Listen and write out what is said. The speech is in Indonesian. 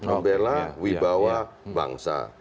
membela wibawa bangsa